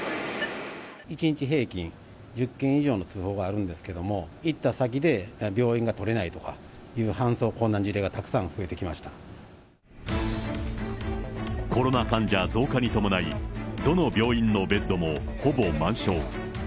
１日平均１０件以上の通報があるんですけれども、行った先で病院が取れないとかという搬送困難事例がたくさん増えコロナ患者増加に伴い、どの病院のベッドもほぼ満床。